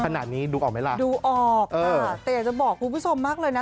ขนาดนี้ดูออกไหมล่ะดูออกค่ะแต่อยากจะบอกคุณผู้ชมมากเลยนะ